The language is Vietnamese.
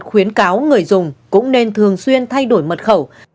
khuyến cáo người dùng cũng nên thường xuyên thay đổi mật khẩu